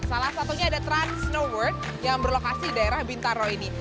salah satunya ada trans snow world yang berlokasi di daerah bintaro ini